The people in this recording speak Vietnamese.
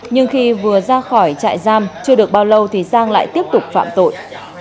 nhưng khi vừa ra khỏi trại giam chưa được bao lâu thì giang lại tiếp tục phạm tội